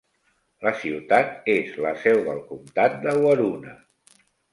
La ciutat és la seu del comtat de Waroona.